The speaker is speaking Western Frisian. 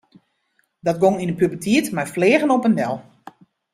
Dat gong yn de puberteit mei fleagen op en del.